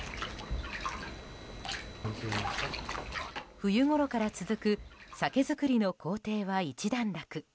冬ごろから続く酒造りの工程は一段落。